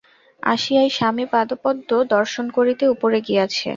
আসিয়াই স্বামিপাদপদ্ম দর্শন করিতে উপরে গিয়াছে।